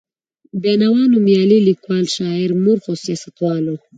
بېنوا نومیالی لیکوال، شاعر، مورخ او سیاستوال و.